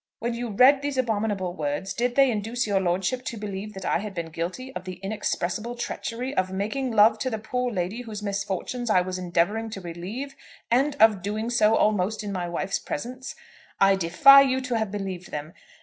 When you read those abominable words did they induce your lordship to believe that I had been guilty of the inexpressible treachery of making love to the poor lady whose misfortunes I was endeavouring to relieve, and of doing so almost in my wife's presence? "I defy you to have believed them.